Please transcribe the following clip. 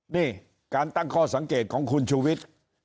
นี่การตั้งข้อสังเกตของคุณชูวิทย์